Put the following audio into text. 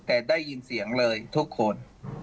แต่ได้ยินเสียงเลยทุกคน